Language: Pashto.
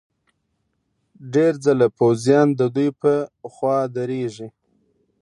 ډېر ځله پوځیان ددوی په خوا درېږي.